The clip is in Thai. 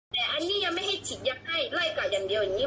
แต่อันนี้ยังไม่ให้ฉีดยักษ์ให้ไล่ก่อนอย่างเดียวอย่างนี้